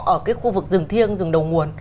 ở cái khu vực rừng thiêng rừng đầu nguồn